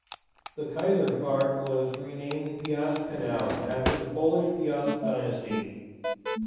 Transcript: The "Kaiserfahrt" was renamed "Piast Canal", after the Polish Piast dynasty.